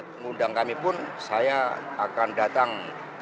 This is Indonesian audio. tanggung jawabnya akan datang